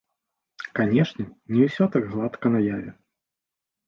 Канешне, не ўсё так гладка наяве.